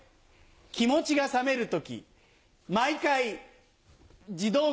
気持ちが冷める時。